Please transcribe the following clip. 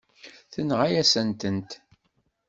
Tenɣa-yasent-tent.